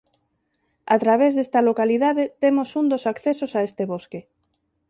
A través desta localidade temos un dos accesos a este bosque.